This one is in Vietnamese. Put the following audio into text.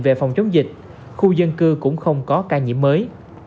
về phòng chống dịch khu dân cư cũng không có ca nhiễm mới